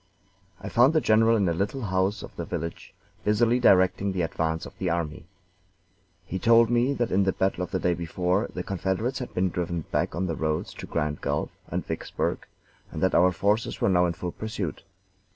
I found the general in a little house of the village, busily directing the advance of the army. He told me that in the battle of the day before the Confederates had been driven back on the roads to Grand Gulf and Vicksburg, and that our forces were now in full pursuit.